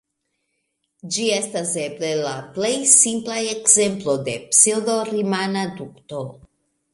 Ĝi estas eble la plej simpla ekzemplo de pseŭdo-rimana dukto.